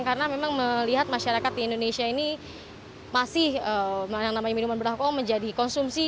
karena memang melihat masyarakat di indonesia ini masih yang namanya minuman beralkohol menjadi konsumsi